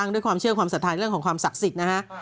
ด้วยความเชื่อความศรัทธาเรื่องของความศักดิ์สิทธิ์นะฮะ